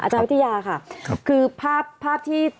อาจารย์วิทยาค่ะคือภาพที่